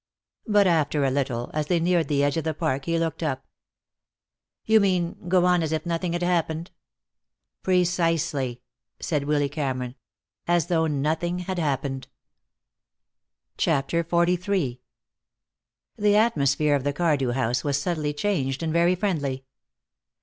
But after a little, as they neared the edge of the park, he looked up. "You mean, go on as if nothing had happened?" "Precisely," said Willy Cameron, "as though nothing had happened." CHAPTER XLIII The atmosphere of the Cardew house was subtly changed and very friendly.